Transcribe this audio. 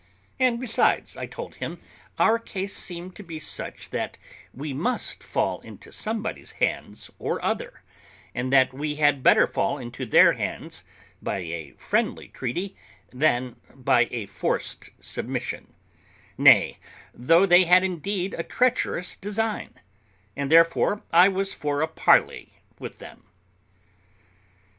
And, besides, I told him our case seemed to be such that we must fall into somebody's hands or other, and that we had better fall into their hands by a friendly treaty than by a forced submission, nay, though they had indeed a treacherous design; and therefore I was for a parley with them.